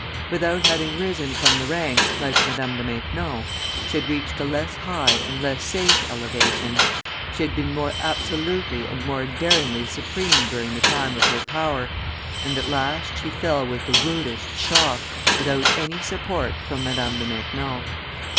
Without having risen from the ranks, like Madame de Maintenon, she had reached a less high and less safe elevation; she had been more absolutely and more daringly supreme during the time of her power, and at last she fell with the rudest shock, without any support from Madame de Maintenon.